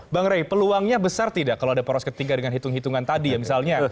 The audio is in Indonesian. bang rey peluangnya besar tidak kalau ada poros ketiga dengan hitung hitungan tadi ya misalnya